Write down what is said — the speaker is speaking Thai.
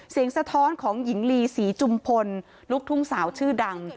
สะท้อนของหญิงลีศรีจุมพลลูกทุ่งสาวชื่อดัง